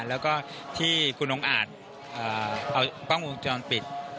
แล้วก็ที่คุณองค์อาจเอากล้องวงจรปิด